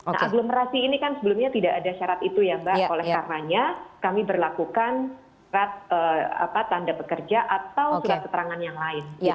nah aglomerasi ini kan sebelumnya tidak ada syarat itu ya mbak oleh karenanya kami berlakukan tanda pekerja atau surat keterangan yang lain